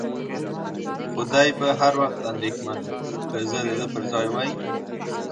خو دی به هر وخت اندېښمن و، که زه د ده پر ځای وای.